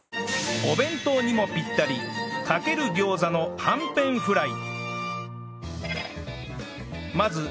お弁当にもピッタリかけるギョーザのはんぺんフライ